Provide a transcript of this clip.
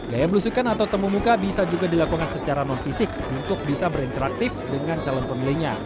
gaya belusukan atau temu muka bisa juga dilakukan secara non fisik untuk bisa berinteraktif dengan calon pemilihnya